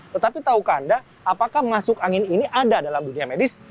tetapi tahukah anda apakah masuk angin ini ada dalam dunia medis